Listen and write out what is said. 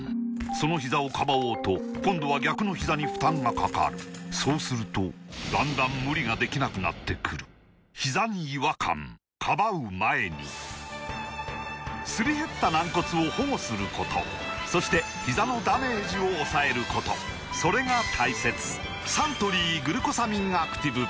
そのひざをかばおうと今度は逆のひざに負担がかかるそうするとだんだん無理ができなくなってくるすり減った軟骨を保護することそしてひざのダメージを抑えることそれが大切サントリー「グルコサミンアクティブ」